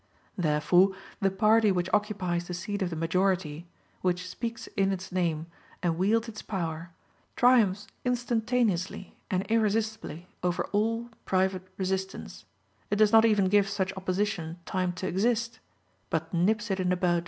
Therefore the party which occupies the seat of the majority, which speaks in its name and wields its power, triumphs instantaneously and irresistibly over all private resistance; it does not even give such opposition time to exist, but nips it in the bud.